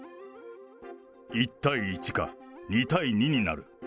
１対１か、２対２になる。